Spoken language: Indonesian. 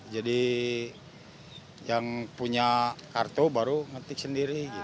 jadi yang punya kartu baru ngetik sendiri